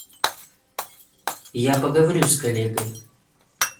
Я поговорю с коллегой.